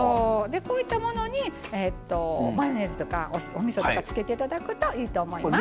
こういったものにマヨネーズとかおみそとかつけて頂くといいと思います。